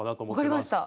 分かりました。